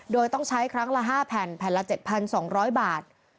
โดยต้องใช้ครั้งละ๕แผ่นแผ่นละ๗๒๐๐บาท